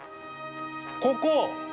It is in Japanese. ここ！